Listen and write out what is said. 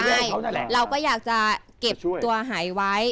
ใช่เราก็อยากจะเก็บตัวหายไว้